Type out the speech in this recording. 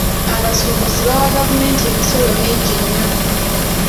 Abasuubuzi bawa gavumenti emisolo mingi nnyo.